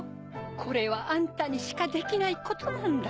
これはあんたにしかできないことなんだ。